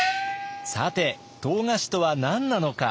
さて唐菓子とは何なのか？